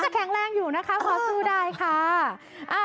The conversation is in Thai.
แข็งแรงอยู่นะคะพอสู้ได้ค่ะ